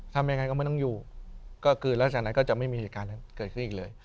ทำยังไงก็ไม่ต้องอยู่ก็คือแล้วจากนั้นก็จะไม่มีเหตุการณ์นั้นเกิดขึ้นอีกเลย